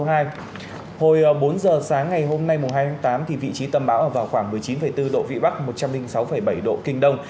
hồi bốn giờ sáng ngày hôm nay mùa hai tháng tám vị trí tầm bão vào khoảng một mươi chín bốn độ vị bắc một trăm linh sáu bảy độ kinh đông